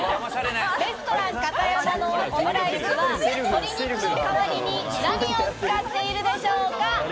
レストランカタヤマのオムライスは鶏肉の代わりに何を使っているでしょうか。